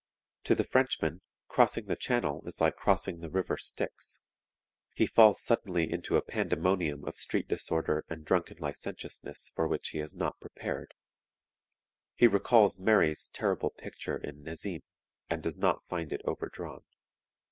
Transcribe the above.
To the Frenchman, crossing the Channel is like crossing the River Styx; he falls suddenly into a pandemonium of street disorder and drunken licentiousness for which he is not prepared. He recalls Mery's terrible picture in 'Nezim,' and does not find it overdrawn.